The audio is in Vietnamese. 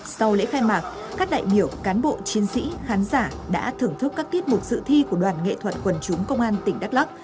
sau lễ khai mạc các đại biểu cán bộ chiến sĩ khán giả đã thưởng thức các tiết mục dự thi của đoàn nghệ thuật quần chúng công an tỉnh đắk lắc